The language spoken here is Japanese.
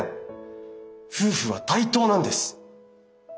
夫婦は対等なんです。